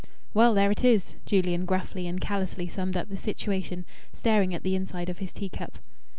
"Well, there it is!" Julian gruffly and callously summed up the situation, staring at the inside of his teacup.